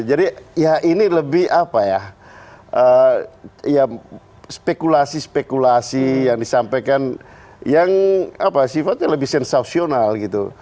jadi ya ini lebih apa ya ya spekulasi spekulasi yang disampaikan yang apa sifatnya lebih sensasional gitu